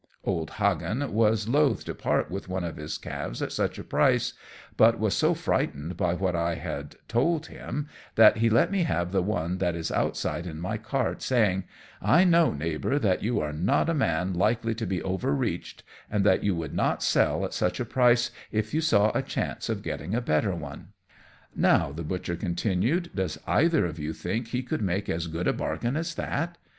"Old Hagan was loath to part with one of his calves at such a price, but was so frightened by what I had told him, that he let me have the one that is outside in my cart, saying, 'I know, Neighbour, that you are not a man likely to be over reached, and that you would not sell at such a price if you saw a chance of getting a better one.' "Now," the Butcher continued, "does either of you think he could make as good a bargain as that?"